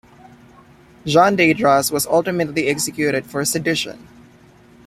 John Deydras was ultimately executed for sedition.